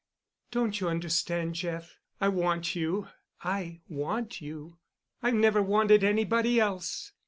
"Don't you understand, Jeff? I want you. I want you. I've never wanted anybody else."